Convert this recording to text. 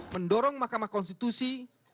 mendorong mahkamah konstitusi